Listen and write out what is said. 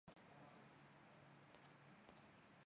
由日本华纳兄弟制作发行。